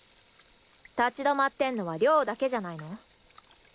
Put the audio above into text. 立ち止まってんのは亮だけじゃないの？